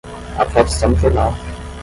A foto está no jornal!